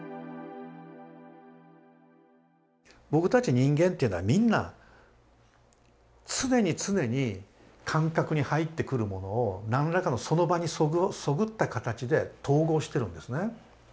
僕たち人間っていうのはみんな常に常に感覚に入ってくるものを何らかのその場にそぐった形で統合してるんですね。